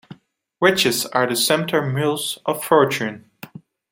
Riches are the sumpter mules of fortune.